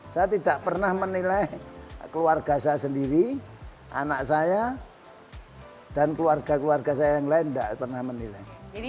saya tidak pernah menilai keluarga saya sendiri anak saya dan keluarga keluarga saya yang lain tidak pernah menilai